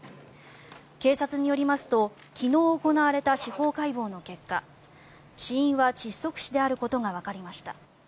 警察によりますと昨日行われた司法解剖の結果死因は窒息死であることがわかりました。